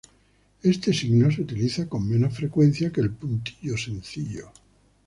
Este signo se utiliza con menos frecuencia que el puntillo sencillo.